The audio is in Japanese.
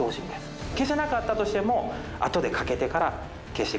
消せなかったとしても後で掛けてから消してください。